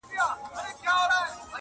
o بل وايي چي روغتون ته وړل سوې نه ده,